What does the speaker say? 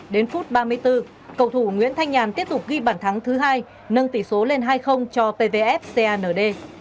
đến phút ba mươi bốn cầu thủ nguyễn thanh nhàn tiếp tục ghi bản thắng thứ hai nâng tỷ số lên hai cho pvf cand